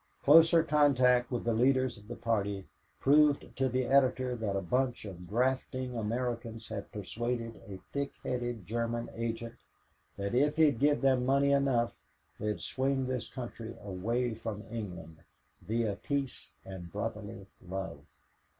Closer contact with the leaders of the party proved to the editor that a bunch of grafting Americans had persuaded a thick headed German agent that if he'd give them money enough they'd swing this country away from England, via peace and brotherly love.